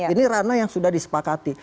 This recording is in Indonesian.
ini ranah yang sudah disepakati